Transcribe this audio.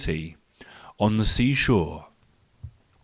On the Sea Shore